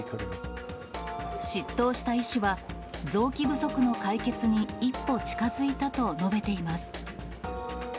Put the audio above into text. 執刀した医師は、臓器不足の解決に一歩近づいたと述べています。